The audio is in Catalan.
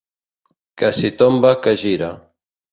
Que si tomba que gira.